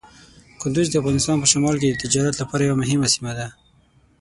کندز د افغانستان په شمال کې د تجارت لپاره یوه مهمه سیمه ده.